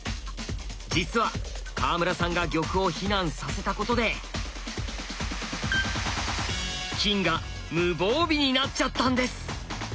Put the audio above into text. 実は川村さんが玉を避難させたことで金が無防備になっちゃったんです！